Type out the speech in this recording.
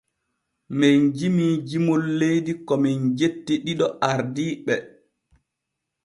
Men jimii jimol leydi ko men jetti ɗiɗo ardiiɓe.